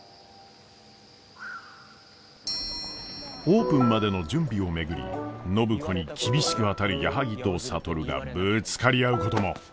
オープンまでの準備を巡り暢子に厳しく当たる矢作と智がぶつかり合うことも。